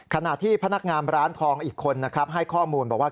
ขณะที่พนักงานร้านทองอีกคนนะครับให้ข้อมูลบอกว่า